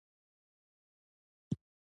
انعام د ښه استعداد لري.